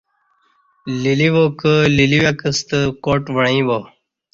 لیلیواکہ لیلیواکی ستہ کاٹ وعیں با